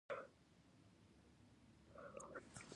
غوماشې د بخار او حرارت له مخې جذبېږي.